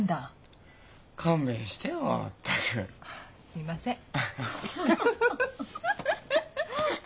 すいません。